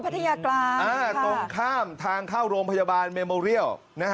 กลางตรงข้ามทางเข้าโรงพยาบาลเมโมเรียล